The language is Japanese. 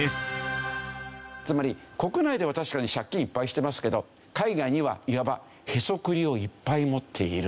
つまり国内では確かに借金いっぱいしてますけど海外にはいわばへそくりをいっぱい持っている。